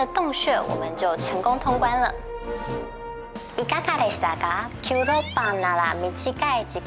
いかがでしたか？